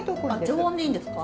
常温でいいんですか？